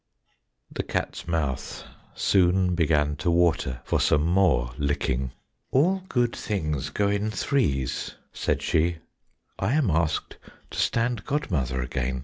The cat's mouth soon began to water for some more licking. "All good things go in threes," said she, "I am asked to stand godmother again.